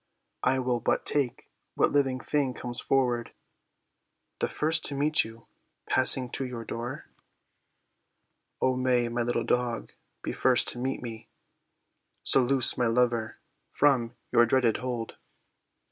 "I will but take what living thing comes forward, The first to meet you,_ passing to your door_." "O may my little dog be first to meet me, So loose my lover from your dreaded hold."